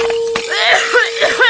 jangan lupa untuk menikmati video ini